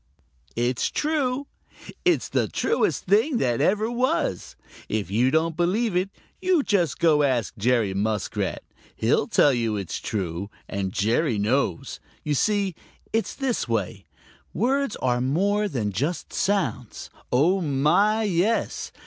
It's true. It's the truest thing that ever was. If you don't believe it, you just go ask Jerry Muskrat. He'll tell you it's true, and Jerry knows. You see, it's this way: Words are more than just sounds. Oh, my, yes!